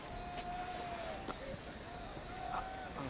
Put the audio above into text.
あっあの。